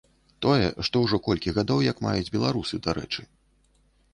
Тое, што ўжо колькі гадоў як маюць беларусы, дарэчы.